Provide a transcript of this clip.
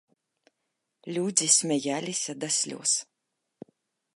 Людзі смяяліся да слёз.